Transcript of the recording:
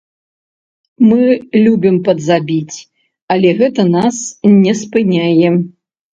Мы любім падзабіць, але гэта нас не спыняе.